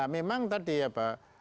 memang tadi ya pak